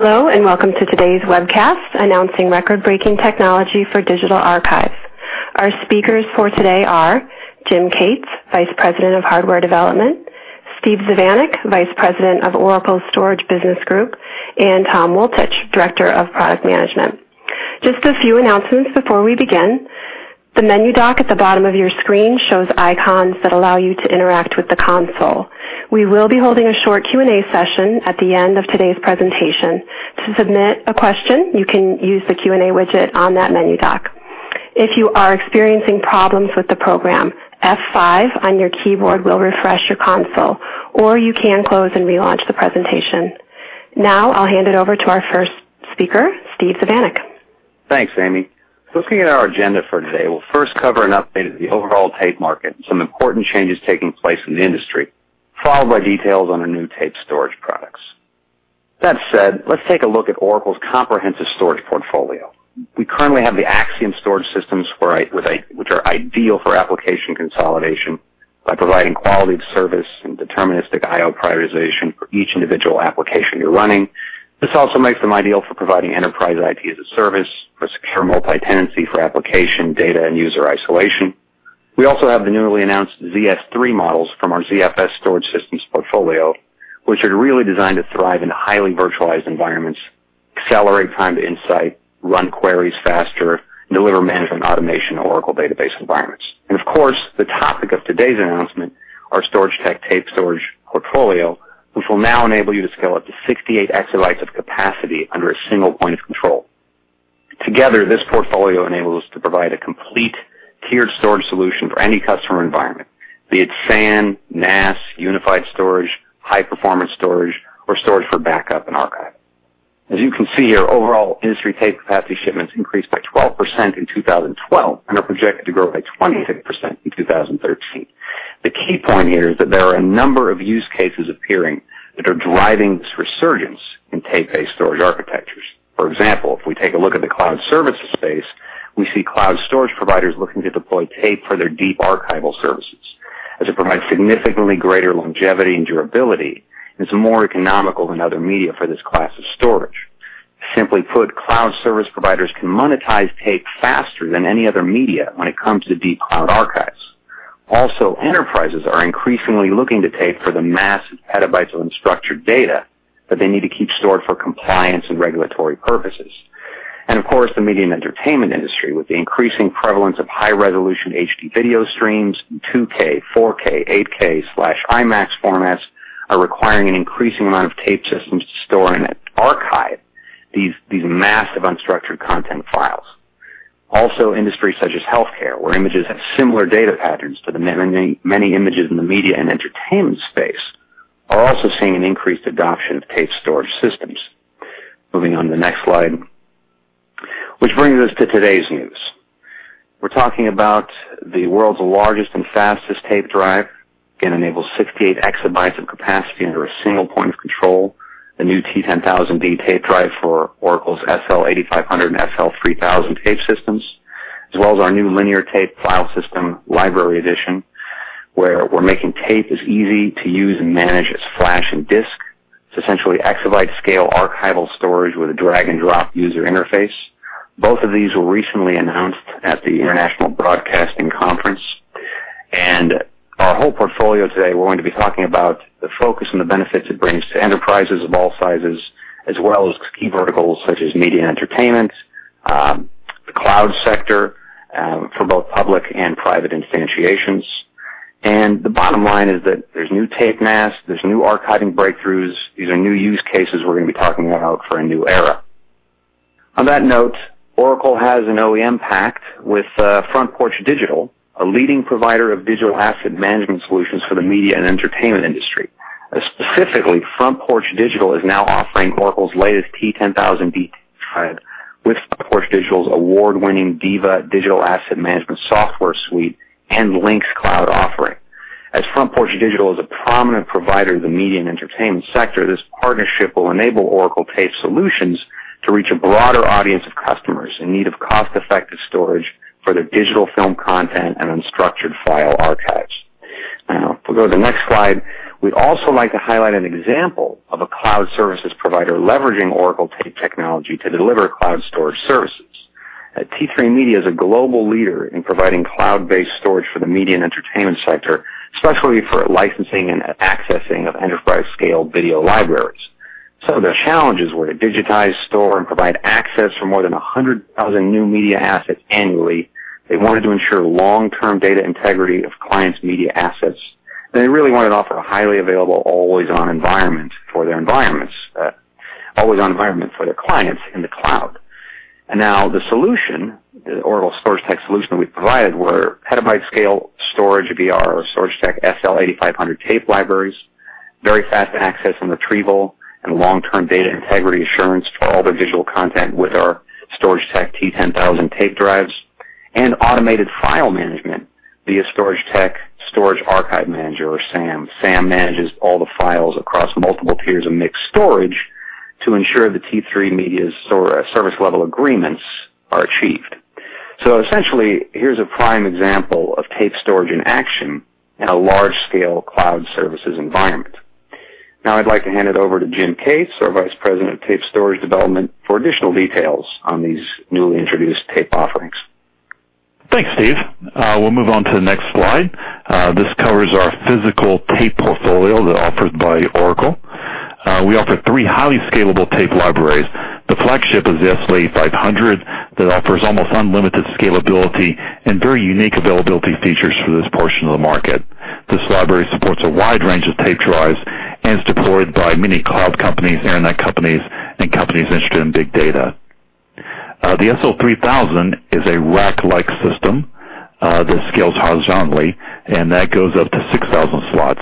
Hello, and welcome to today's webcast announcing record-breaking technology for digital archives. Our speakers for today are Jim Cates, Vice President of Hardware Development, Steve Zivanic, Vice President of Oracle Storage Business Group, and Tom Wultich, Director of Product Management. Just a few announcements before we begin. The menu dock at the bottom of your screen shows icons that allow you to interact with the console. We will be holding a short Q&A session at the end of today's presentation. To submit a question, you can use the Q&A widget on that menu dock. If you are experiencing problems with the program, F5 on your keyboard will refresh your console, or you can close and relaunch the presentation. Now I'll hand it over to our first speaker, Steve Zivanic. Thanks, Amy. Looking at our agenda for today, we'll first cover an update of the overall tape market and some important changes taking place in the industry, followed by details on our new tape storage products. That said, let's take a look at Oracle's comprehensive storage portfolio. We currently have the Axiom Storage Systems, which are ideal for application consolidation by providing quality of service and deterministic I/O prioritization for each individual application you're running. This also makes them ideal for providing enterprise IT as a service for secure multi-tenancy for application data and user isolation. We also have the newly announced ZS3 models from our ZFS Storage Systems portfolio, which are really designed to thrive in highly virtualized environments, accelerate time to insight, run queries faster, deliver management automation in Oracle Database environments. Of course, the topic of today's announcement, our StorageTek tape storage portfolio, which will now enable you to scale up to 68 EB of capacity under a single point of control. Together, this portfolio enables us to provide a complete tiered storage solution for any customer environment, be it SAN, NAS, unified storage, high-performance storage, or storage for backup and archive. As you can see here, overall industry tape capacity shipments increased by 12% in 2012 and are projected to grow by 26% in 2013. The key point here is that there are a number of use cases appearing that are driving this resurgence in tape-based storage architectures. For example, if we take a look at the cloud services space, we see cloud storage providers looking to deploy tape for their deep archival services as it provides significantly greater longevity and durability and is more economical than other media for this class of storage. Simply put, cloud service providers can monetize tape faster than any other media when it comes to deep cloud archives. Also, enterprises are increasingly looking to tape for the massive petabytes of unstructured data that they need to keep stored for compliance and regulatory purposes. Of course, the media and entertainment industry, with the increasing prevalence of high-resolution HD video streams in 2K, 4K, 8K/IMAX formats, are requiring an increasing amount of tape systems to store and archive these massive unstructured content files. Also, industries such as healthcare, where images have similar data patterns to the many images in the media and entertainment space, are also seeing an increased adoption of tape storage systems. Moving on to the next slide, which brings us to today's news. We're talking about the world's largest and fastest tape drive. Again, enables 68 EB of capacity under a single point of control. The new T10000D tape drive for Oracle's SL8500 and SL3000 tape systems, as well as our new Linear Tape File System Library Edition, where we're making tape as easy to use and manage as Flash and disk. It's essentially exabyte scale archival storage with a drag-and-drop user interface. Both of these were recently announced at the International Broadcasting Convention. Our whole portfolio today, we're going to be talking about the focus and the benefits it brings to enterprises of all sizes, as well as key verticals such as media and entertainment, the cloud sector for both public and private instantiations. The bottom line is that there's new tape NAS, there's new archiving breakthroughs. These are new use cases we're going to be talking about for a new era. On that note, Oracle has an OEM pact with Front Porch Digital, a leading provider of digital asset management solutions for the media and entertainment industry. Specifically, Front Porch Digital is now offering Oracle's latest T10000D drive with Front Porch Digital's award-winning DIVA digital asset management software suite and LINX cloud offering. As Front Porch Digital is a prominent provider in the media and entertainment sector, this partnership will enable Oracle tape solutions to reach a broader audience of customers in need of cost-effective storage for their digital film content and unstructured file archives. If we go to the next slide. We'd also like to highlight an example of a cloud services provider leveraging Oracle tape technology to deliver cloud storage services. T3Media is a global leader in providing cloud-based storage for the media and entertainment sector, especially for licensing and accessing of enterprise-scale video libraries. Some of their challenges were to digitize, store, and provide access for more than 100,000 new media assets annually. They wanted to ensure long-term data integrity of clients' media assets, and they really wanted to offer a highly available, always-on environment for their clients in the cloud. Now the solution, the Oracle StorageTek solution that we provided, were petabyte scale storage of our StorageTek SL8500 tape libraries, very fast access and retrieval, and long-term data integrity assurance for all their digital content with our StorageTek T10000 tape drives, and automated file management via StorageTek Storage Archive Manager or SAM. SAM manages all the files across multiple tiers of mixed storage to ensure that T3Media's service level agreements are achieved. Essentially, here's a prime example of tape storage in action in a large-scale cloud services environment. I'd like to hand it over to Jim Cates, our Vice President of Tape Storage Development, for additional details on these newly introduced tape offerings. Thanks, Steve. We'll move on to the next slide. This covers our physical tape portfolio that's offered by Oracle. We offer three highly scalable tape libraries. The flagship is the SL8500 that offers almost unlimited scalability and very unique availability features for this portion of the market. This library supports a wide range of tape drives and is deployed by many cloud companies, internet companies, and companies interested in big data. The SL3000 is a rack-like system that scales horizontally, and that goes up to 6,000 slots.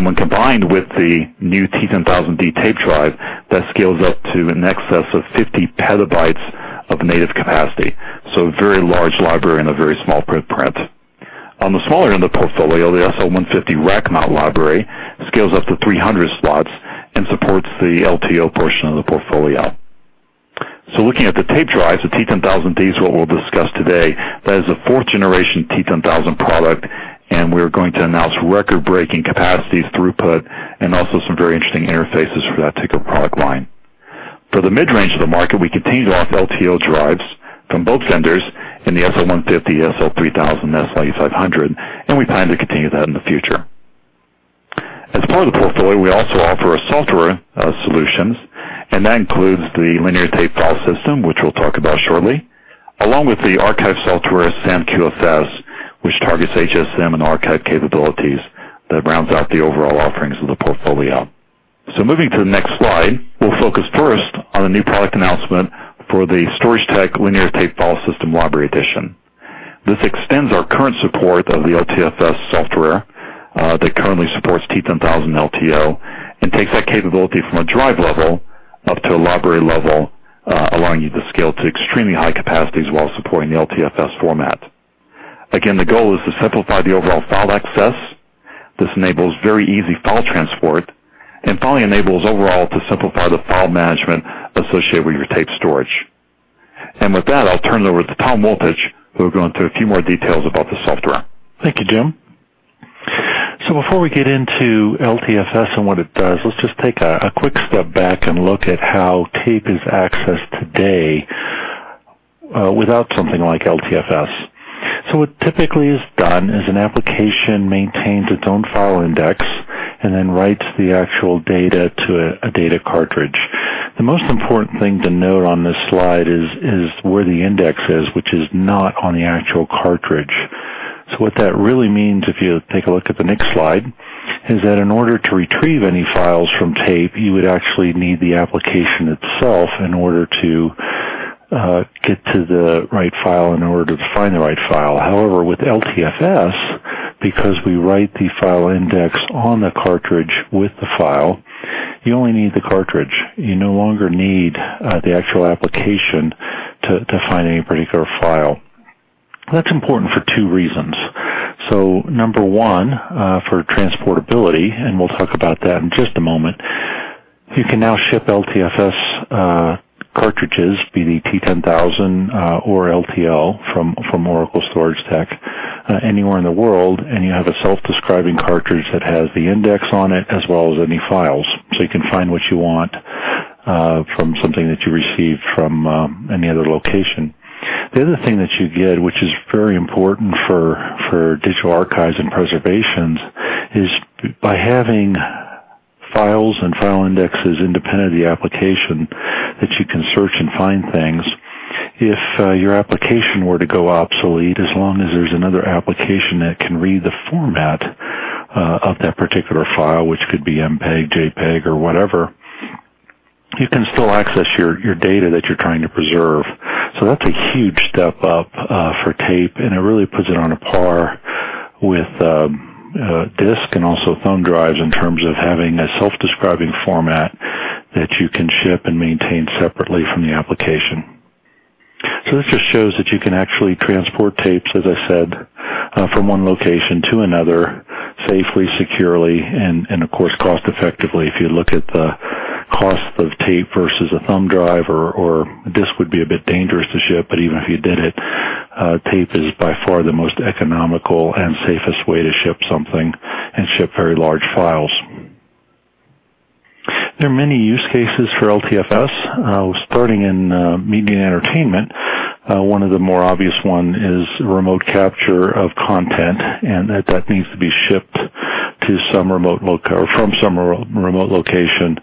When combined with the new T10000D tape drive, that scales up to in excess of 50 PB of native capacity. A very large library in a very small footprint. On the smaller end of the portfolio, the SL150 rack-mount library scales up to 300 slots and supports the LTO portion of the portfolio. Looking at the tape drives, the T10000D is what we'll discuss today. That is a 4th-generation T10000 product, and we're going to announce record-breaking capacities, throughput, and also some very interesting interfaces for that particular product line. For the mid-range of the market, we continue to offer LTO drives from both vendors in the SL150, SL3000, and SL8500, and we plan to continue that in the future. As part of the portfolio, we also offer software solutions, and that includes the Linear Tape File System, which we'll talk about shortly, along with the archive software, SAM-QFS, which targets HSM and archive capabilities that rounds out the overall offerings of the portfolio. Moving to the next slide, we'll focus first on a new product announcement for the StorageTek Linear Tape File System Library Edition. This extends our current support of the LTFS software that currently supports T10000 LTO and takes that capability from a drive level up to a library level, allowing you to scale to extremely high capacities while supporting the LTFS format. Again, the goal is to simplify the overall file access. This enables very easy file transport and finally enables overall to simplify the file management associated with your tape storage. With that, I'll turn it over to Tom Wultich, who will go into a few more details about the software. Thank you, Jim. Before we get into LTFS and what it does, let's just take a quick step back and look at how tape is accessed today without something like LTFS. What typically is done is an application maintains its own file index and then writes the actual data to a data cartridge. The most important thing to note on this slide is where the index is, which is not on the actual cartridge. What that really means, if you take a look at the next slide, is that in order to retrieve any files from tape, you would actually need the application itself in order to get to the right file, in order to find the right file. However, with LTFS, because we write the file index on the cartridge with the file, you only need the cartridge. You no longer need the actual application to find any particular file. That's important for two reasons. Number one, for transportability, and we'll talk about that in just a moment. You can now ship LTFS cartridges, be the T10000 or LTO from Oracle StorageTek, anywhere in the world, and you have a self-describing cartridge that has the index on it as well as any files, so you can find what you want from something that you received from any other location. The other thing that you get, which is very important for digital archives and preservations, is by having files and file indexes independent of the application that you can search and find things. If your application were to go obsolete, as long as there's another application that can read the format of that particular file, which could be MPEG, JPEG, or whatever, you can still access your data that you're trying to preserve. That's a huge step up for tape, and it really puts it on a par with disk and also thumb drives in terms of having a self-describing format that you can ship and maintain separately from the application. This just shows that you can actually transport tapes, as I said, from one location to another safely, securely, and of course, cost-effectively. If you look at the cost of tape versus a thumb drive or a disk would be a bit dangerous to ship, but even if you did it, tape is by far the most economical and safest way to ship something and ship very large files. There are many use cases for LTFS. Starting in media and entertainment, one of the more obvious one is remote capture of content, and that needs to be shipped from some remote location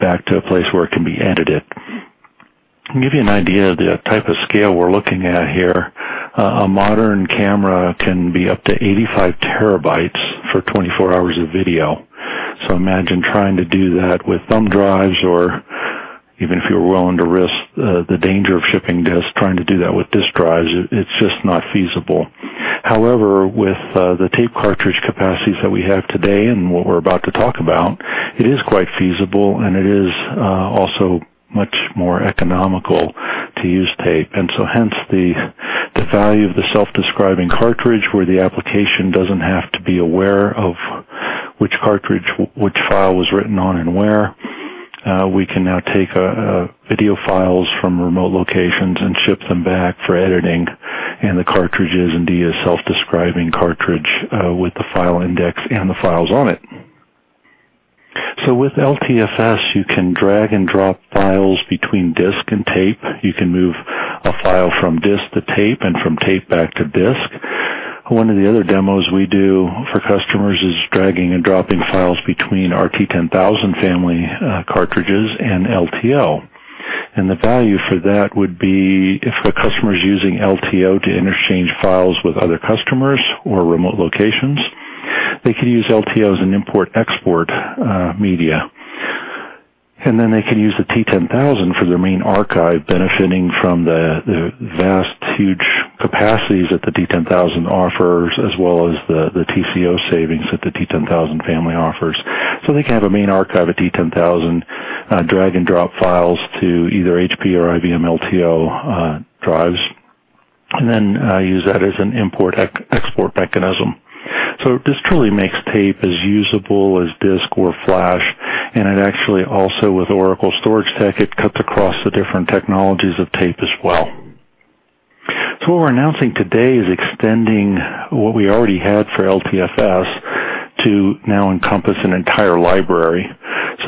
back to a place where it can be edited. To give you an idea of the type of scale we're looking at here, a modern camera can be up to 85 TB for 24 hours of video. Imagine trying to do that with thumb drives, or even if you're willing to risk the danger of shipping disks, trying to do that with disk drives. It's just not feasible. However, with the tape cartridge capacities that we have today and what we're about to talk about, it is quite feasible, and it is also much more economical to use tape. Hence the value of the self-describing cartridge, where the application doesn't have to be aware of which cartridge, which file was written on and where. We can now take video files from remote locations and ship them back for editing, and the cartridge is indeed a self-describing cartridge with the file index and the files on it. With LTFS, you can drag and drop files between disk and tape. You can move a file from disk to tape and from tape back to disk. One of the other demos we do for customers is dragging and dropping files between our T10000 family cartridges and LTO. The value for that would be if a customer is using LTO to interchange files with other customers or remote locations, they can use LTO as an import-export media. They can use the T10000 for their main archive, benefiting from the vast, huge capacities that the T10000 offers, as well as the TCO savings that the T10000 family offers. They can have a main archive at T10000, drag and drop files to either HP or IBM LTO drives, and then use that as an import-export mechanism. This truly makes tape as usable as disk or Flash, and it actually also, with Oracle StorageTek, it cuts across the different technologies of tape as well. What we're announcing today is extending what we already had for LTFS to now encompass an entire library.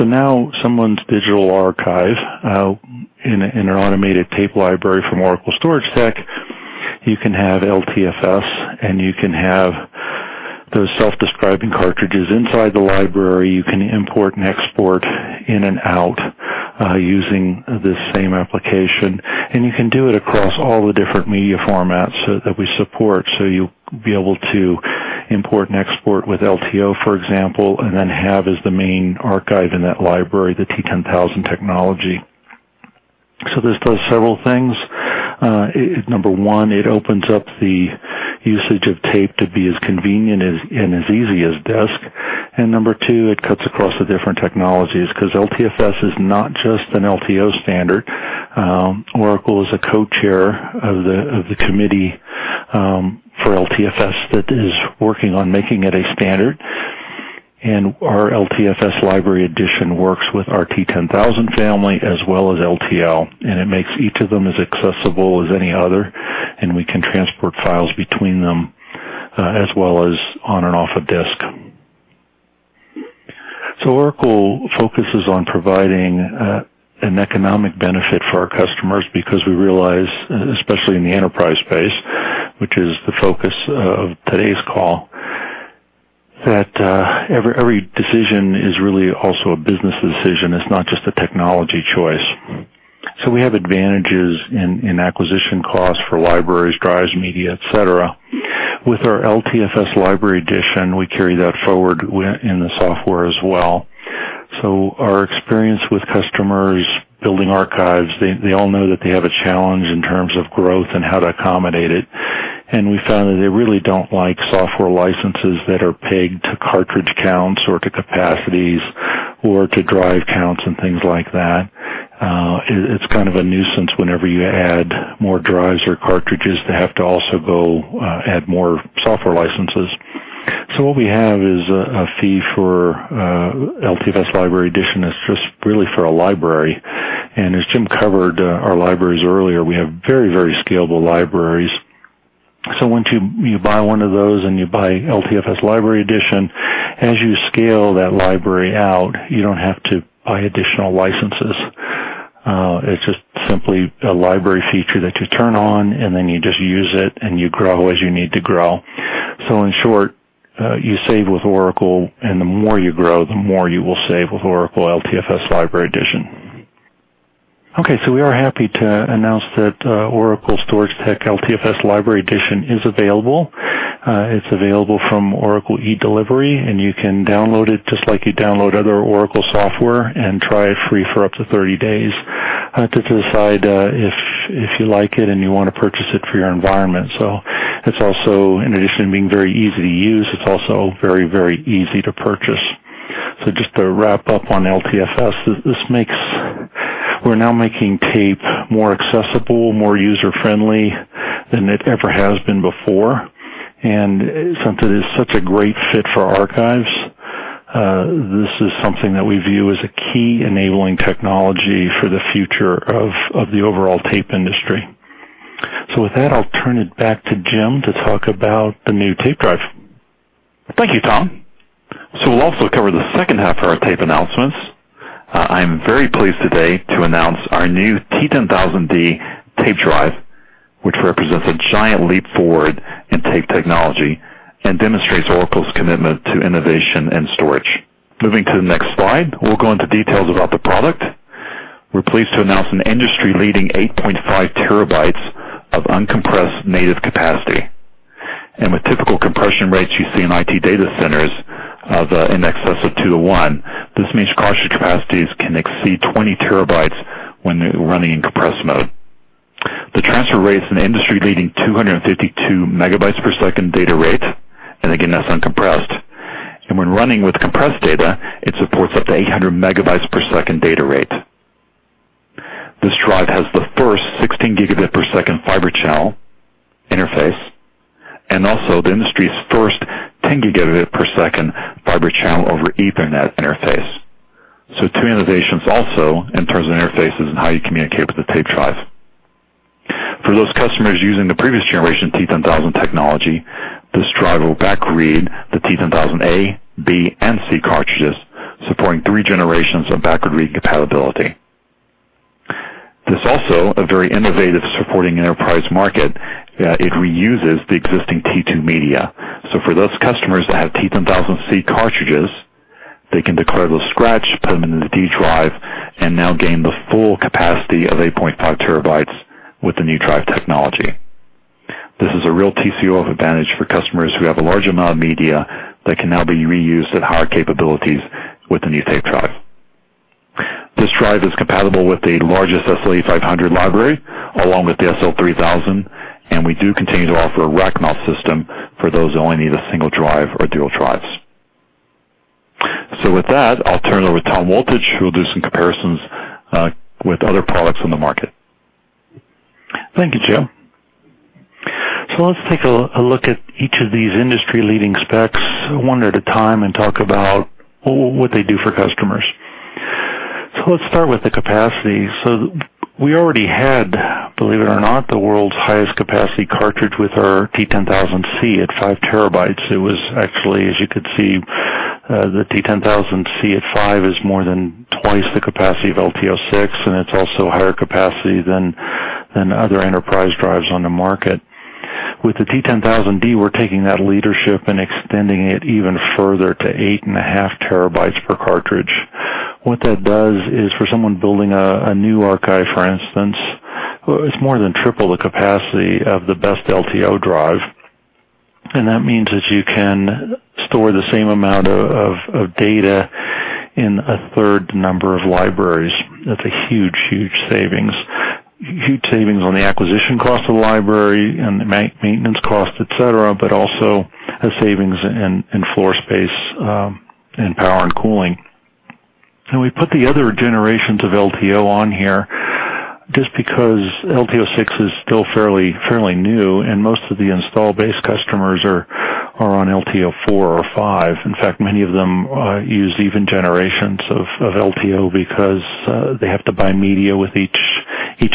Now someone's digital archive in their automated tape library from Oracle StorageTek, you can have LTFS, and you can have those self-describing cartridges inside the library. You can import and export in and out using this same application, and you can do it across all the different media formats that we support. You'll be able to import and export with LTO, for example, and then have as the main archive in that library, the T10000 technology. This does several things. Number one, it opens up the usage of tape to be as convenient and as easy as disk. Number two, it cuts across the different technologies because LTFS is not just an LTO standard. Oracle is a co-chair of the committee for LTFS that is working on making it a standard. Our LTFS Library Edition works with our T10000 family as well as LTO, and it makes each of them as accessible as any other, and we can transport files between them as well as on and off a disk. Oracle focuses on providing an economic benefit for our customers because we realize, especially in the enterprise space, which is the focus of today's call, that every decision is really also a business decision. It's not just a technology choice. We have advantages in acquisition costs for libraries, drives, media, et cetera. With our LTFS Library Edition, we carry that forward in the software as well. Our experience with customers building archives, they all know that they have a challenge in terms of growth and how to accommodate it. We found that they really don't like software licenses that are pegged to cartridge counts or to capacities or to drive counts and things like that. It's kind of a nuisance whenever you add more drives or cartridges to have to also go add more software licenses. What we have is a fee for LTFS Library Edition that's just really for a library. As Jim covered our libraries earlier, we have very, very scalable libraries. Once you buy one of those and you buy LTFS Library Edition, as you scale that library out, you don't have to buy additional licenses. It's just simply a library feature that you turn on, and then you just use it, and you grow as you need to grow. In short, you save with Oracle, and the more you grow, the more you will save with Oracle LTFS Library Edition. We are happy to announce that Oracle StorageTek LTFS Library Edition is available. It's available from Oracle eDelivery, and you can download it just like you download other Oracle software and try it free for up to 30 days to decide if you like it and you want to purchase it for your environment. It's also, in addition to being very easy to use, it's also very easy to purchase. Just to wrap up on LTFS, we're now making tape more accessible, more user-friendly than it ever has been before. Since it is such a great fit for archives, this is something that we view as a key enabling technology for the future of the overall tape industry. With that, I'll turn it back to Jim to talk about the new tape drive. Thank you, Tom. We'll also cover the second half of our tape announcements. I'm very pleased today to announce our new T10000D tape drive, which represents a giant leap forward in tape technology and demonstrates Oracle's commitment to innovation and storage. Moving to the next slide, we'll go into details about the product. We're pleased to announce an industry-leading 8.5 TB of uncompressed native capacity. With typical compression rates you see in IT data centers of in excess of two to one, this means cartridge capacities can exceed 20 TB when running in compressed mode. The transfer rate is an industry-leading 252 MB per second data rate, and again, that's uncompressed. When running with compressed data, it supports up to 800 MB per second data rate. This drive has the first 16 Gbps Fibre Channel interface and also the industry's first 10 Gbps Fibre Channel over Ethernet interface. Two innovations also in terms of interfaces and how you communicate with the tape drive. For those customers using the previous generation T10000 technology, this drive will backread the T10000A, B, and C cartridges, supporting three generations of backward read compatibility. This also a very innovative supporting enterprise market. It reuses the existing T2Media. For those customers that have T10000C cartridges, they can declare those scratch, put them into the D drive, and now gain the full capacity of 8.5 TB with the new drive technology. This is a real TCO advantage for customers who have a large amount of media that can now be reused at higher capabilities with the new tape drive. This drive is compatible with the largest SL8500 library, along with the SL3000, and we do continue to offer a rack mount system for those who only need a single drive or dual drives. With that, I'll turn it over to Tom Wultich, who will do some comparisons with other products on the market. Thank you, Jim. Let's take a look at each of these industry-leading specs one at a time and talk about what they do for customers. Let's start with the capacity. We already had, believe it or not, the world's highest capacity cartridge with our T10000C at 5 TB. It was actually, as you could see, the T10000C at LTO-5 is more than twice the capacity of LTO-6, and it's also higher capacity than other enterprise drives on the market. With the T10000D, we're taking that leadership and extending it even further to 8.5 TB per cartridge. What that does is for someone building a new archive, for instance, it's more than triple the capacity of the best LTO drive, and that means that you can store the same amount of data in a third number of libraries. That's a huge, huge savings. Huge savings on the acquisition cost of the library and the maintenance cost, et cetera, but also a savings in floor space, and power and cooling. We put the other generations of LTO on here just because LTO-6 is still fairly new, and most of the install base customers are on LTO-4 or LTO-5. In fact, many of them use even generations of LTO because they have to buy media with each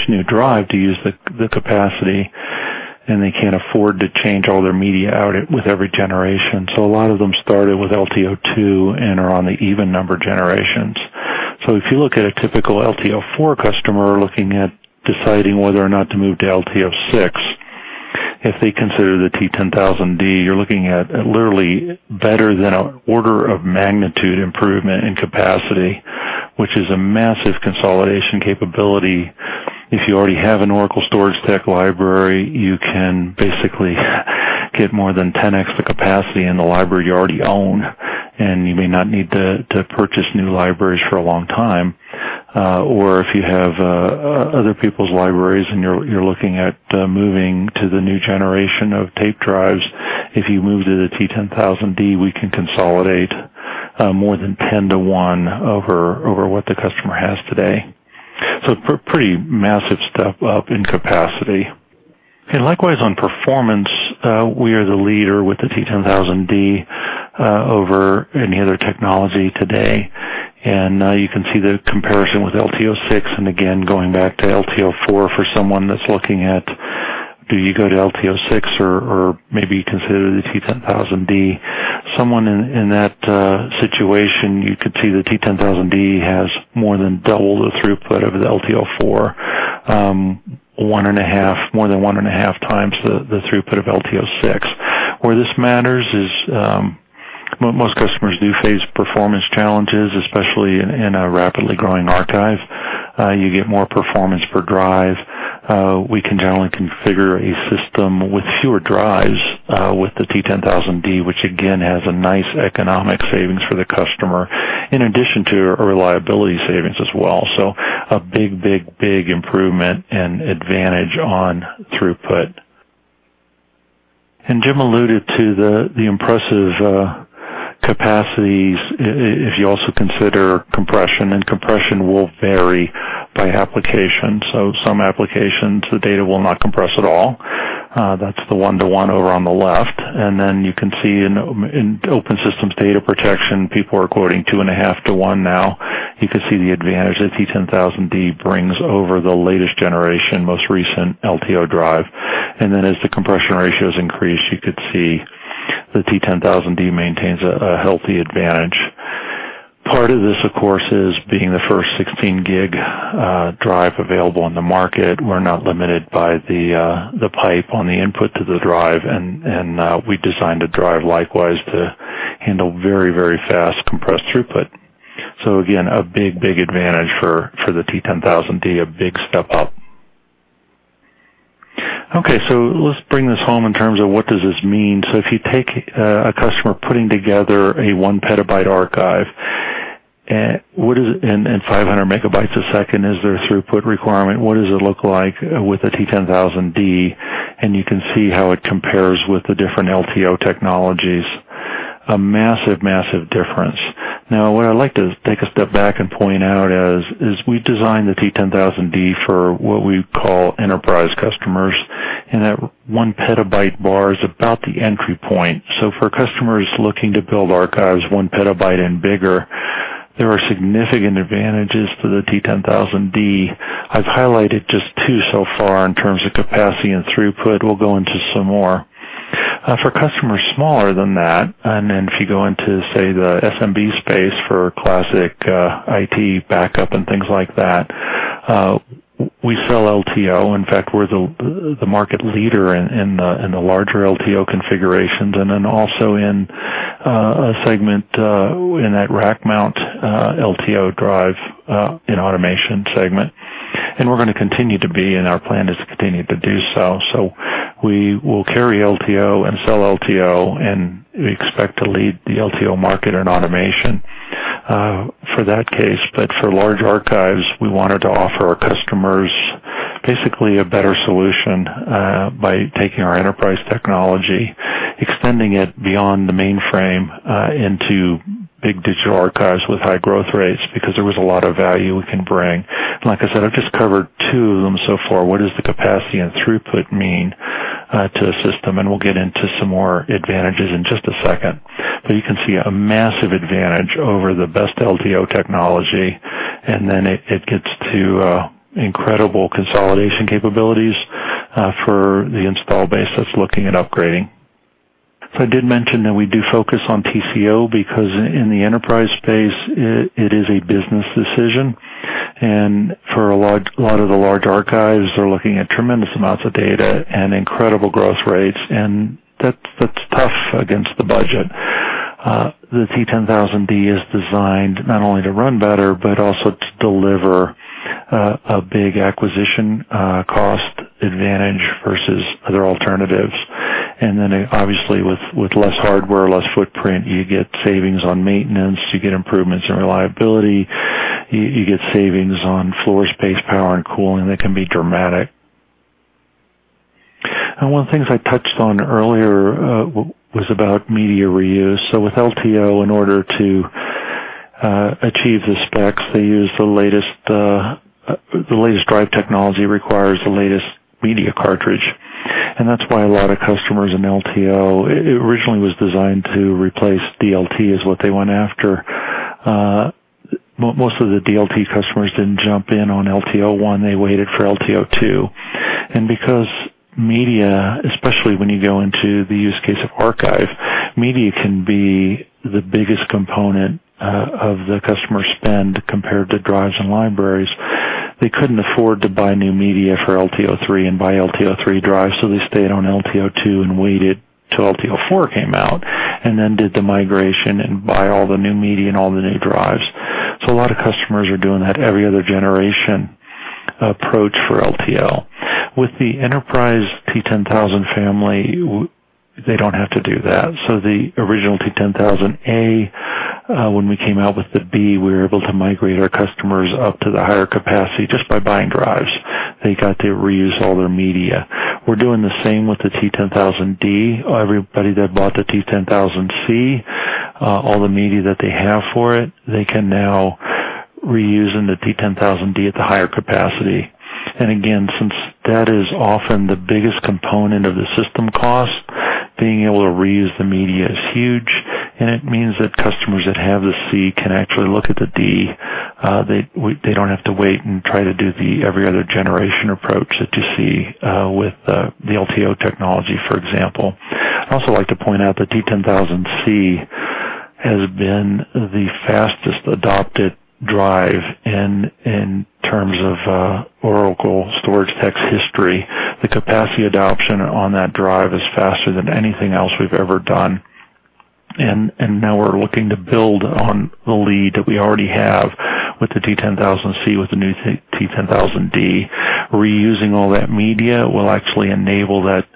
new drive to use the capacity, and they can't afford to change all their media out with every generation. A lot of them started with LTO-2 and are on the even number generations. If you look at a typical LTO-4 customer looking at deciding whether or not to move to LTO-6, if they consider the T10000D, you're looking at literally better than an order of magnitude improvement in capacity, which is a massive consolidation capability. If you already have an Oracle StorageTek library, you can basically get more than 10x the capacity in the library you already own, and you may not need to purchase new libraries for a long time. If you have other people's libraries and you're looking at moving to the new generation of tape drives, if you move to the T10000D, we can consolidate more than 10 to one over what the customer has today. Pretty massive step up in capacity. Likewise, on performance, we are the leader with the T10000D, over any other technology today. Now you can see the comparison with LTO-6, and again, going back to LTO-4 for someone that's looking at, do you go to LTO-6 or maybe consider the T10000D? Someone in that situation, you could see the T10000D has more than double the throughput of the LTO-4, more than 1.5 times the throughput of LTO-6. Where this matters is most customers do face performance challenges, especially in a rapidly growing archive. You get more performance per drive. We can generally configure a system with fewer drives, with the T10000D, which again, has a nice economic savings for the customer, in addition to a reliability savings as well. A big, big, big improvement and advantage on throughput. Jim alluded to the impressive capacities if you also consider compression, and compression will vary by application. Some applications, the data will not compress at all. That's the one to one over on the left. You can see in open systems data protection, people are quoting two and a half to one now. You can see the advantage the T10000D brings over the latest generation, most recent LTO drive. As the compression ratios increase, you could see the T10000D maintains a healthy advantage. Part of this, of course, is being the first 16 GB drive available on the market. We're not limited by the pipe on the input to the drive, and we designed a drive, likewise, to handle very, very fast compressed throughput. Again, a big, big advantage for the T10000D, a big step up. Let's bring this home in terms of what does this mean. If you take a customer putting together a 1 PB archive and 500 MB a second is their throughput requirement, what does it look like with the T10000D? You can see how it compares with the different LTO technologies. A massive difference. Now, what I'd like to take a step back and point out is we designed the T10000D for what we call enterprise customers, and that 1 PB bar is about the entry point. For customers looking to build archives 1 PB and bigger, there are significant advantages to the T10000D. I've highlighted just two so far in terms of capacity and throughput. We'll go into some more. For customers smaller than that, if you go into, say, the SMB space for classic IT backup and things like that, we sell LTO. In fact, we're the market leader in the larger LTO configurations and also in a segment in that rack mount LTO drive in automation segment. We're going to continue to be, and our plan is to continue to do so. We will carry LTO and sell LTO, and we expect to lead the LTO market in automation for that case. For large archives, we wanted to offer our customers basically a better solution by taking our enterprise technology, extending it beyond the mainframe into big digital archives with high growth rates, because there was a lot of value we can bring. Like I said, I've just covered two of them so far. What is the capacity and throughput mean to the system? We'll get into some more advantages in just a second. You can see a massive advantage over the best LTO technology, then it gets to incredible consolidation capabilities for the install base that's looking at upgrading. I did mention that we do focus on TCO because in the enterprise space, it is a business decision. For a lot of the large archives are looking at tremendous amounts of data and incredible growth rates, that's tough against the budget. The T10000D is designed not only to run better, but also to deliver a big acquisition cost advantage versus other alternatives. Obviously, with less hardware, less footprint, you get savings on maintenance, you get improvements in reliability, you get savings on floor space, power, and cooling that can be dramatic. One of the things I touched on earlier was about media reuse. With LTO, in order to achieve the specs they use, the latest drive technology requires the latest media cartridge. That's why a lot of customers in LTO, it originally was designed to replace DLT, is what they went after. Most of the DLT customers didn't jump in on LTO-1. They waited for LTO-2. Because media, especially when you go into the use case of archive, media can be the biggest component of the customer spend compared to drives and libraries. They couldn't afford to buy new media for LTO-3 and buy LTO-3 drives, so they stayed on LTO-2 and waited till LTO-4 came out, and then did the migration and buy all the new media and all the new drives. A lot of customers are doing that every other generation approach for LTO. With the enterprise T10000 family, they don't have to do that. The original T10000A, when we came out with the B, we were able to migrate our customers up to the higher capacity just by buying drives. They got to reuse all their media. We're doing the same with the T10000D. Everybody that bought the T10000C, all the media that they have for it, they can now reuse in the T10000D at the higher capacity. Again, since that is often the biggest component of the system cost, being able to reuse the media is huge. It means that customers that have the C can actually look at the D. They don't have to wait and try to do the every other generation approach that you see with the LTO technology, for example. I'd also like to point out the T10000C has been the fastest adopted drive in terms of Oracle StorageTek history. The capacity adoption on that drive is faster than anything else we've ever done. Now we're looking to build on the lead that we already have with the T10000C with the new T10000D. Reusing all that media will actually enable that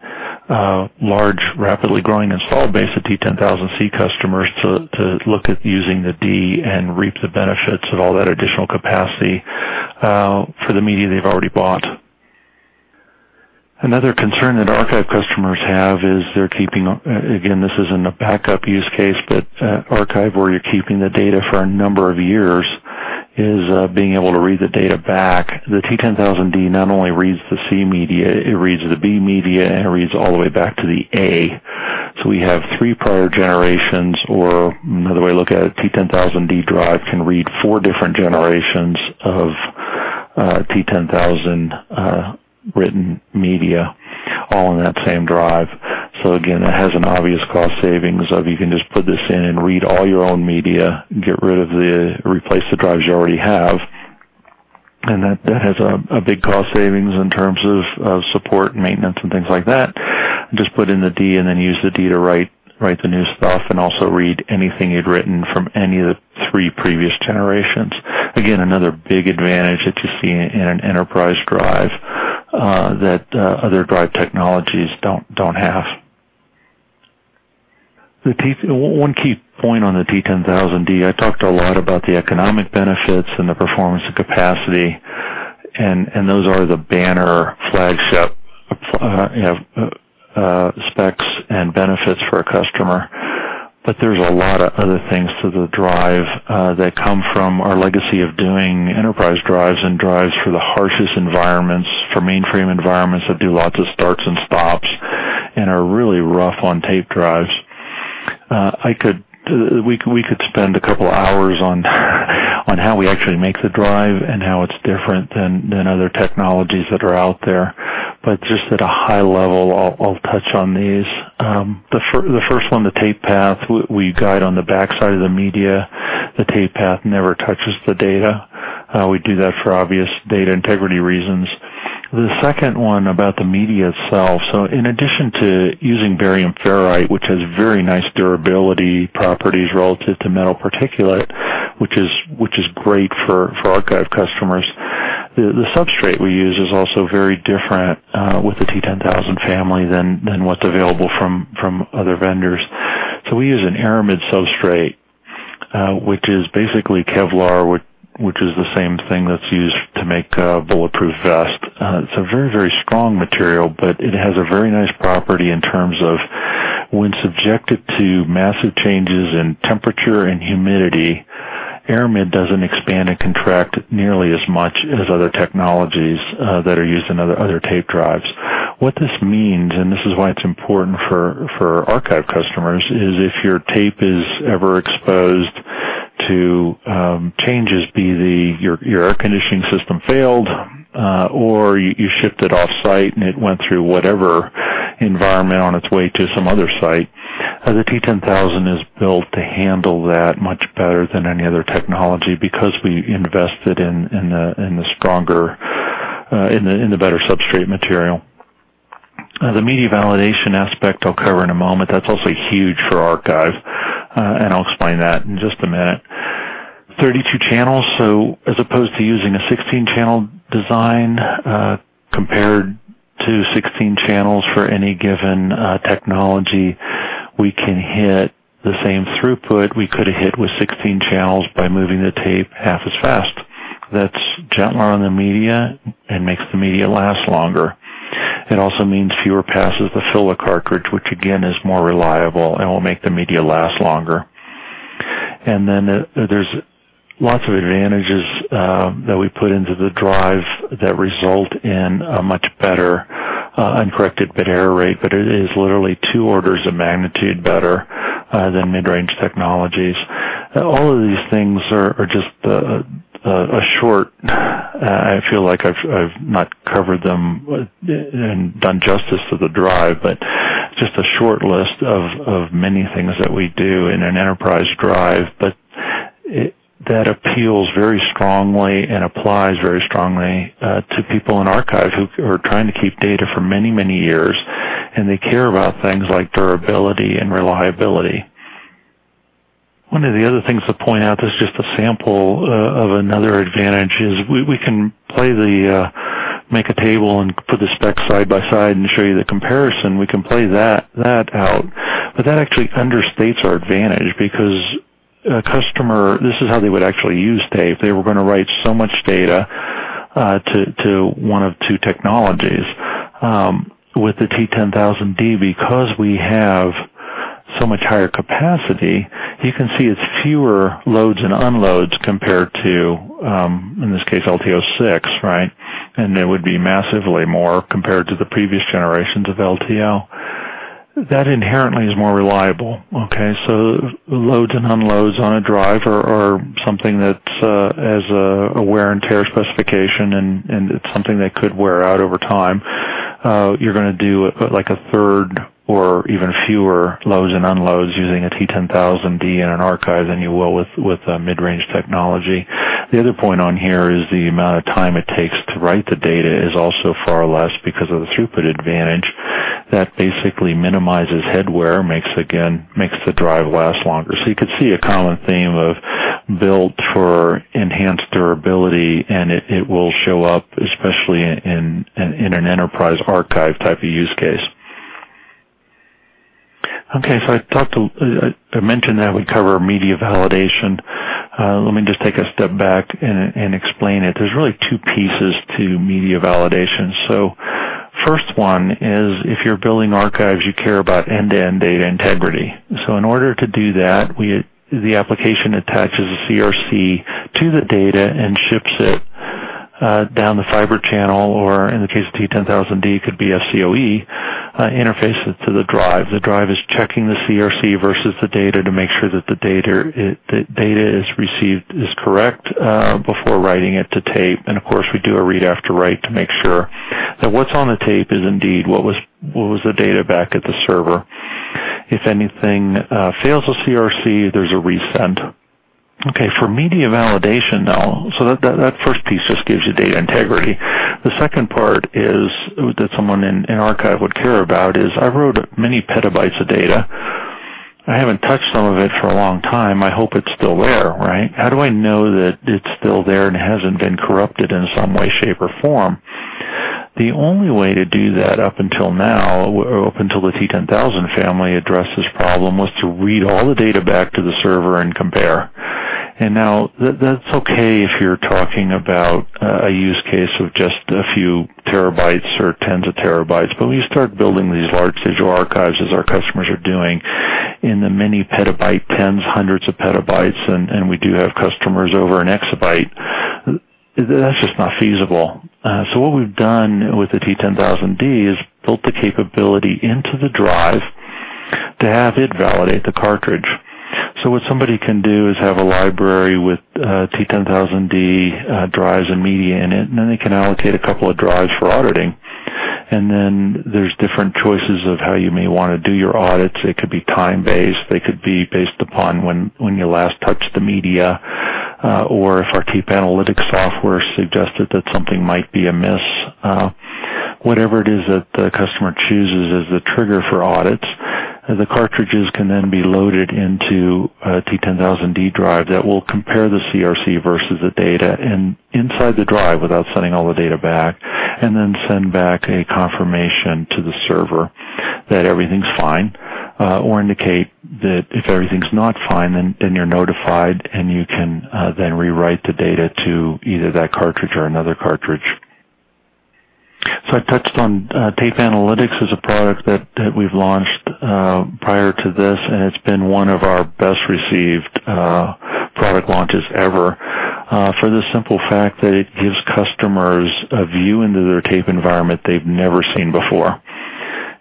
large, rapidly growing install base of T10000C customers to look at using the D and reap the benefits of all that additional capacity for the media they've already bought. Another concern that archive customers have is they're keeping, again, this is in the backup use case, but archive, where you're keeping the data for a number of years, is being able to read the data back. The T10000D not only reads the C media, it reads the B media, it reads all the way back to the A. We have three prior generations, or another way to look at it, T10000D drive can read four different generations of T10000 written media all in that same drive. Again, that has an obvious cost savings of you can just put this in and read all your own media, replace the drives you already have, and that has a big cost savings in terms of support, maintenance, and things like that. Just put in the D, use the D to write the new stuff and also read anything you'd written from any of the three previous generations. Again, another big advantage that you see in an enterprise drive that other drive technologies don't have. One key point on the T10000D, I talked a lot about the economic benefits and the performance and capacity. Those are the banner flagship You have specs and benefits for a customer. There's a lot of other things to the drive that come from our legacy of doing enterprise drives and drives for the harshest environments, for mainframe environments that do lots of starts and stops and are really rough on tape drives. We could spend a couple hours on how we actually make the drive and how it's different than other technologies that are out there. Just at a high level, I'll touch on these. The first one, the tape path, we guide on the backside of the media. The tape path never touches the data. We do that for obvious data integrity reasons. The second one about the media itself. In addition to using barium ferrite, which has very nice durability properties relative to metal particulate, which is great for archive customers, the substrate we use is also very different, with the T10000 family, than what's available from other vendors. We use an aramid substrate, which is basically Kevlar, which is the same thing that's used to make bulletproof vest. It's a very strong material. It has a very nice property in terms of when subjected to massive changes in temperature and humidity, aramid doesn't expand and contract nearly as much as other technologies that are used in other tape drives. What this means, and this is why it's important for archive customers, is if your tape is ever exposed to changes, be it your air conditioning system failed, or you shipped it offsite and it went through whatever environment on its way to some other site, the T10000 is built to handle that much better than any other technology because we invested in the better substrate material. The media validation aspect I'll cover in a moment. That's also huge for archive, and I'll explain that in just a minute. 32 channels, as opposed to using a 16-channel design, compared to 16 channels for any given technology, we can hit the same throughput we could have hit with 16 channels by moving the tape half as fast. That's gentler on the media and makes the media last longer. It also means fewer passes to fill a cartridge, which again, is more reliable and will make the media last longer. There's lots of advantages that we put into the drive that result in a much better uncorrected bit error rate. It is literally two orders of magnitude better than mid-range technologies. All of these things are, I feel like I've not covered them and done justice to the drive. Just a short list of many things that we do in an enterprise drive, that appeals very strongly and applies very strongly to people in archive who are trying to keep data for many years, and they care about things like durability and reliability. One of the other things to point out that's just a sample of another advantage is we can make a table and put the specs side by side and show you the comparison. That actually understates our advantage because a customer, this is how they would actually use tape. They were going to write so much data to one of two technologies. With the T10000D, because we have so much higher capacity, you can see it's fewer loads and unloads compared to, in this case, LTO-6, right? It would be massively more compared to the previous generations of LTO. That inherently is more reliable. Loads and unloads on a drive are something that has a wear and tear specification, and it's something that could wear out over time. You're going to do like a third or even fewer loads and unloads using a T10000D in an archive than you will with a mid-range technology. The other point on here is the amount of time it takes to write the data is also far less because of the throughput advantage. That basically minimizes head wear, makes the drive last longer. You could see a common theme of built for enhanced durability, and it will show up especially in an enterprise archive type of use case. I mentioned that we cover media validation. Let me just take a step back and explain it. There's really two pieces to media validation. First one is if you're building archives, you care about end-to-end data integrity. In order to do that, the application attaches a CRC to the data and ships it down the Fibre Channel, or in the case of T10000D, could be an FCoE interface to the drive. The drive is checking the CRC versus the data to make sure that the data is received is correct before writing it to tape. Of course, we do a read after write to make sure that what's on the tape is indeed what was the data back at the server. If anything fails a CRC, there's a resend. For media validation, now, that first piece just gives you data integrity. The second part that someone in archive would care about is, I wrote many petabytes of data. I haven't touched some of it for a long time. I hope it's still there, right? How do I know that it's still there and hasn't been corrupted in some way, shape, or form? The only way to do that up until now, up until the T10000 family addressed this problem, was to read all the data back to the server and compare. Now, that's okay if you're talking about a use case of just a few terabytes or tens of terabytes. When you start building these large digital archives, as our customers are doing, in the many petabyte, tens, hundreds of petabytes, and we do have customers over an exabyte, that's just not feasible. What we've done with the T10000D is built the capability into the drive to have it validate the cartridge. What somebody can do is have a library with T10000D drives and media in it, and then they can allocate a couple of drives for auditing. There's different choices of how you may want to do your audits. It could be time-based. They could be based upon when you last touched the media, or if our Tape Analytics software suggested that something might be amiss. Whatever it is that the customer chooses as the trigger for audits, the cartridges can then be loaded into a T10000D drive that will compare the CRC versus the data inside the drive without sending all the data back, and then send back a confirmation to the server that everything's fine or indicate that if everything's not fine, then you're notified, and you can then rewrite the data to either that cartridge or another cartridge. I touched on Tape Analytics as a product that we've launched prior to this, and it's been one of our best-received product launches ever for the simple fact that it gives customers a view into their tape environment they've never seen before.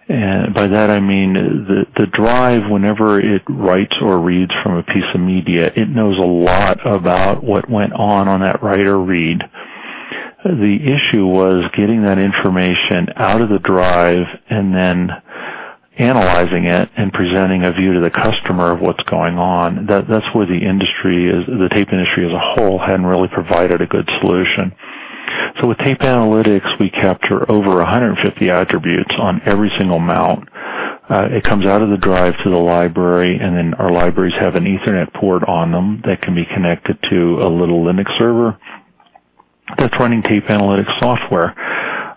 By that, I mean the drive, whenever it writes or reads from a piece of media, it knows a lot about what went on on that write or read. The issue was getting that information out of the drive and then analyzing it and presenting a view to the customer of what's going on. That's where the tape industry as a whole hadn't really provided a good solution. With Tape Analytics, we capture over 150 attributes on every single mount. It comes out of the drive to the library, and then our libraries have an Ethernet port on them that can be connected to a little Linux server that's running Tape Analytics software.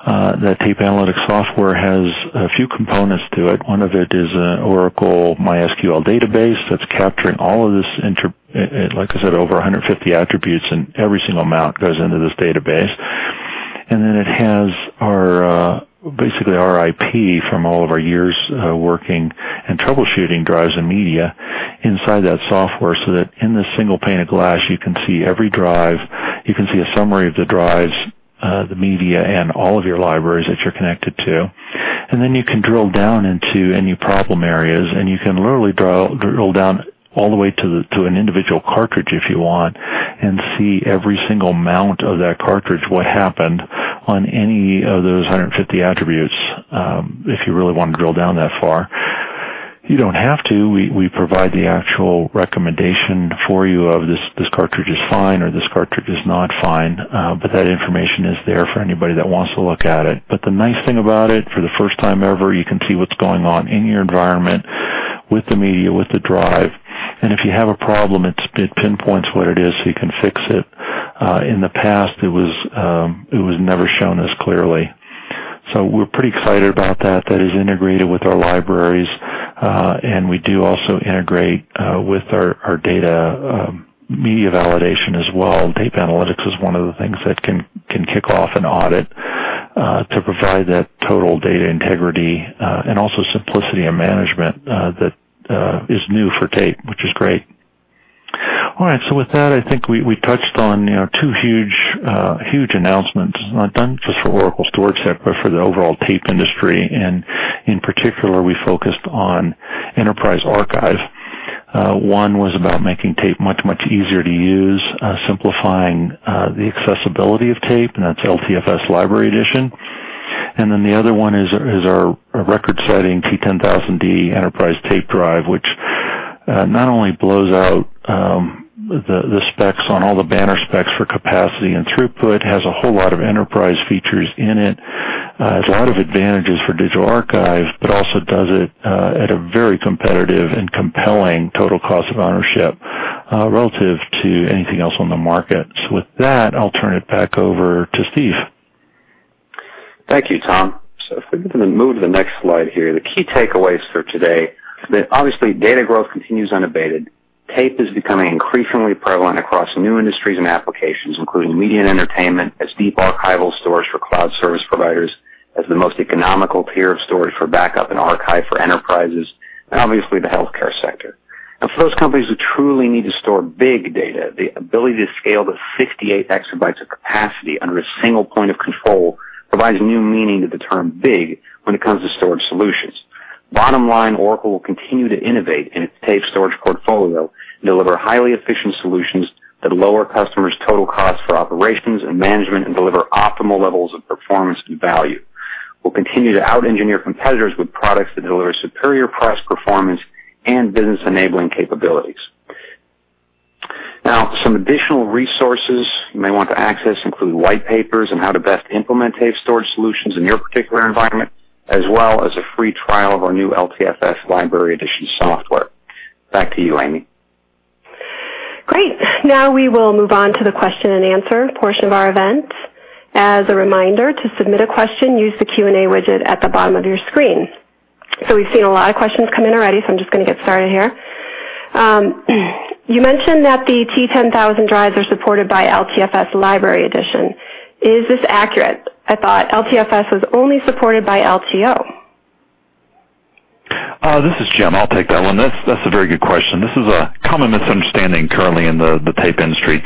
That Tape Analytics software has a few components to it. One of it is an Oracle MySQL database that's capturing all of this, like I said, over 150 attributes, every single mount goes into this database. It has basically our IP from all of our years working and troubleshooting drives and media inside that software so that in this single pane of glass, you can see every drive. You can see a summary of the drives, the media, and all of your libraries that you're connected to. You can drill down into any problem areas, you can literally drill down all the way to an individual cartridge if you want and see every single mount of that cartridge, what happened on any of those 150 attributes, if you really want to drill down that far. You don't have to. We provide the actual recommendation for you of, "This cartridge is fine," or, "This cartridge is not fine." That information is there for anybody that wants to look at it. The nice thing about it, for the first time ever, you can see what's going on in your environment with the media, with the drive. If you have a problem, it pinpoints what it is so you can fix it. In the past, it was never shown this clearly. We're pretty excited about that. That is integrated with our libraries, and we do also integrate with our data media validation as well. Tape Analytics is one of the things that can kick off an audit to provide that total data integrity and also simplicity of management that is new for tape, which is great. All right. With that, I think we touched on two huge announcements not done just for Oracle Storage, but for the overall tape industry. In particular, we focused on enterprise archive. One was about making tape much, much easier to use, simplifying the accessibility of tape, and that's LTFS Library Edition. The other one is our record-setting T10000D enterprise tape drive, which not only blows out the specs on all the banner specs for capacity and throughput, has a whole lot of enterprise features in it, has a lot of advantages for digital archive, but also does it at a very competitive and compelling total cost of ownership relative to anything else on the market. With that, I'll turn it back over to Steve. Thank you, Tom. If we can move to the next slide here, the key takeaways for today, that obviously data growth continues unabated. Tape is becoming increasingly prevalent across new industries and applications, including media and entertainment as deep archival storage for cloud service providers, as the most economical tier of storage for backup and archive for enterprises, and obviously the healthcare sector. Now, for those companies who truly need to store big data, the ability to scale to 58 EB of capacity under a single point of control provides new meaning to the term big when it comes to storage solutions. Bottom line, Oracle will continue to innovate in its tape storage portfolio and deliver highly efficient solutions that lower customers' total cost for operations and management and deliver optimal levels of performance and value. We'll continue to out-engineer competitors with products that deliver superior price, performance, and business-enabling capabilities. Now, some additional resources you may want to access include white papers on how to best implement tape storage solutions in your particular environment, as well as a free trial of our new LTFS Library Edition software. Back to you, Amy. Great. Now we will move on to the question and answer portion of our event. As a reminder, to submit a question, use the Q&A widget at the bottom of your screen. We've seen a lot of questions come in already, so I'm just going to get started here. You mentioned that the T10000 drives are supported by LTFS Library Edition. Is this accurate? I thought LTFS was only supported by LTO. This is Jim. I'll take that one. That's a very good question. This is a common misunderstanding currently in the tape industry.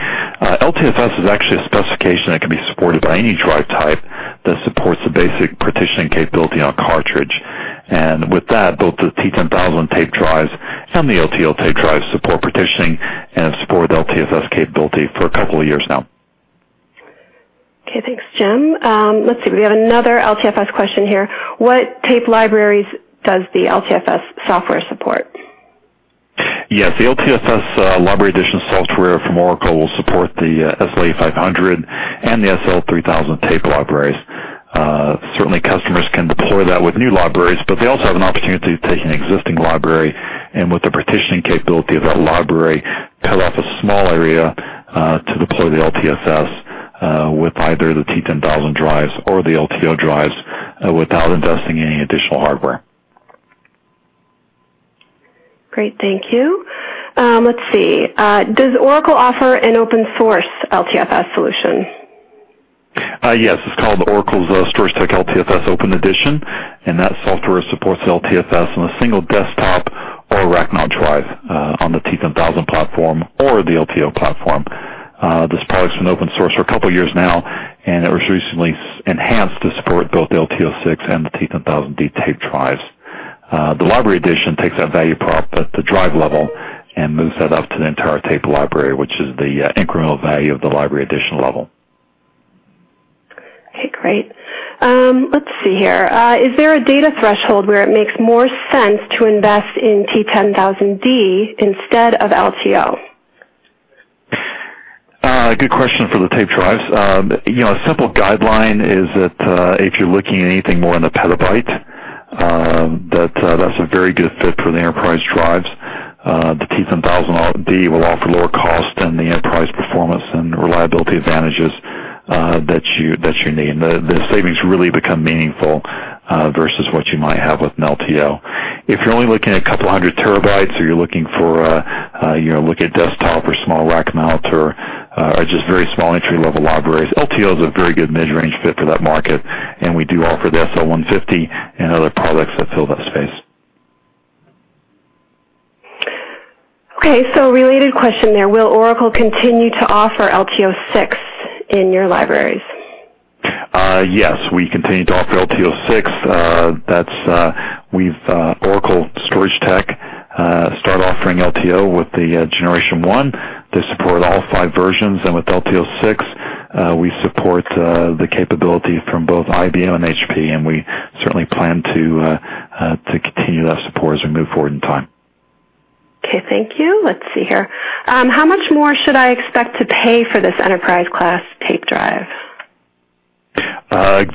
LTFS is actually a specification that can be supported by any drive type that supports the basic partitioning capability on a cartridge. With that, both the T10000 tape drives and the LTO tape drives support partitioning and have supported LTFS capability for a couple of years now. Okay. Thanks, Jim. Let's see. We have another LTFS question here. What tape libraries does the LTFS software support? Yes. The LTFS Library Edition software from Oracle will support the SL8500 and the SL3000 tape libraries. Certainly, customers can deploy that with new libraries, but they also have an opportunity to take an existing library and with the partitioning capability of that library, cut off a small area to deploy the LTFS with either the T10000 drives or the LTO drives without investing any additional hardware. Great. Thank you. Let's see. Does Oracle offer an open source LTFS solution? Yes. It's called Oracle's StorageTek LTFS Open Edition. That software supports LTFS on a single desktop or rack mount drive on the T10000 platform or the LTO platform. This product's been open source for a couple of years now. It was recently enhanced to support both the LTO-6 and the T10000D tape drives. The library edition takes that value prop at the drive level and moves that up to the entire tape library which is the incremental value of the library edition level. Okay, great. Let's see here. Is there a data threshold where it makes more sense to invest in T10000D instead of LTO? Good question for the tape drives. A simple guideline is that if you're looking at anything more than a petabyte, that's a very good fit for the enterprise drives. The T10000D will offer lower cost than the enterprise performance and reliability advantages that you need. The savings really become meaningful versus what you might have with an LTO. If you're only looking at a couple hundred terabytes or you're looking at desktop or small rack mounts or just very small entry-level libraries, LTO is a very good mid-range fit for that market, we do offer the SL150 and other products that fill that space. Okay. Related question there. Will Oracle continue to offer LTO-6 in your libraries? Yes. We continue to offer LTO-6. Oracle StorageTek started offering LTO with the generation one. They support all five versions. With LTO-6, we support the capability from both IBM and HP, and we certainly plan to continue that support as we move forward in time. Okay. Thank you. Let's see here. How much more should I expect to pay for this enterprise-class tape drive?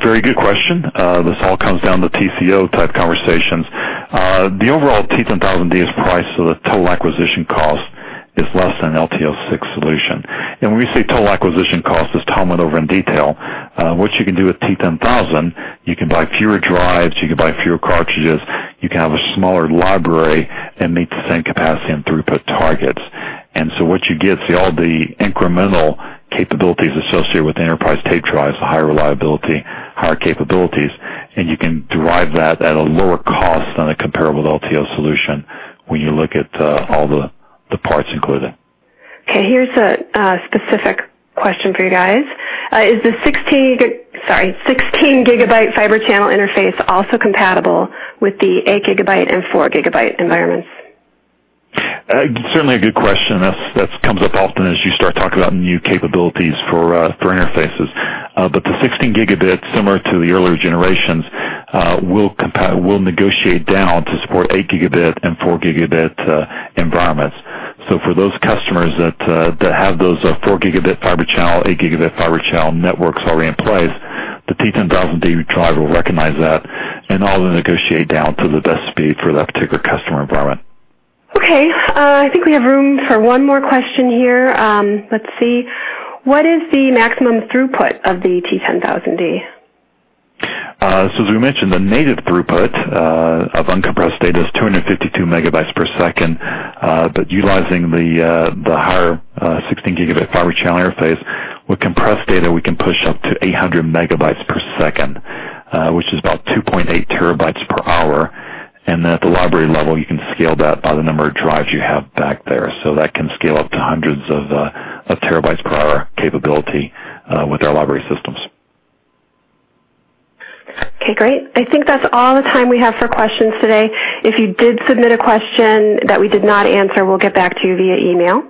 Very good question. This all comes down to TCO type conversations. The overall T10000D is priced so the total acquisition cost is less than an LTO-6 solution. When we say total acquisition cost, as Tom went over in detail, what you can do with T10000, you can buy fewer drives, you can buy fewer cartridges, you can have a smaller library and meet the same capacity and throughput targets. What you get, all the incremental capabilities associated with enterprise tape drives, the higher reliability, higher capabilities, and you can derive that at a lower cost than a comparable LTO solution when you look at all the parts included. Okay. Here's a specific question for you guys. Is the 16 Gb Fibre Channel interface also compatible with the 8 Gb and 4 Gb environments? Certainly a good question. That comes up often as you start talking about new capabilities for interfaces. The 16 Gb, similar to the earlier generations, will negotiate down to support 8 Gb and 4 Gb environments. For those customers that have those 4 Gb Fibre Channel, 8 Gb Fibre Channel networks already in place, the T10000D drive will recognize that and automatically negotiate down to the best speed for that particular customer environment. Okay. I think we have room for one more question here. Let's see. What is the maximum throughput of the T10000D? As we mentioned, the native throughput of uncompressed data is 252 Mbps. Utilizing the higher 16 Gb Fibre Channel interface, with compressed data, we can push up to 800 Mbps, which is about 2.8 TB per hour. At the library level, you can scale that by the number of drives you have back there. That can scale up to hundreds of terabytes per hour capability with our library systems. Okay, great. I think that's all the time we have for questions today. If you did submit a question that we did not answer, we'll get back to you via email.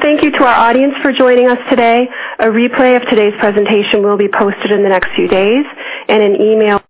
Thank you to our audience for joining us today. A replay of today's presentation will be posted in the next few days in an email.